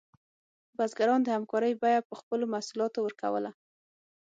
بزګران د همکارۍ بیه په خپلو محصولاتو ورکوله.